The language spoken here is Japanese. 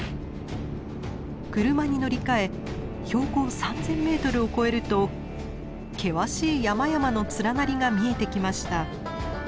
車に乗り換え標高３，０００ｍを越えると険しい山々の連なりが見えてきました。